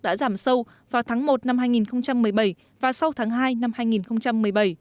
đã giảm sâu vào tháng một năm hai nghìn một mươi bảy và sau tháng hai năm hai nghìn một mươi bảy